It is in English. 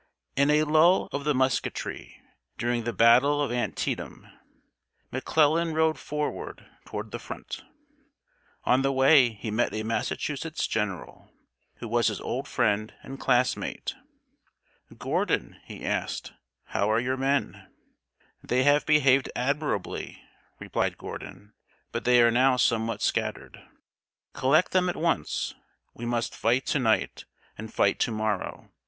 In a lull of the musketry, during the battle of Antietam, McClellan rode forward toward the front. On the way, he met a Massachusetts general, who was his old friend and class mate. "Gordon," he asked, "how are your men?" "They have behaved admirably," replied Gordon; "but they are now somewhat scattered." "Collect them at once. We must fight to night and fight to morrow.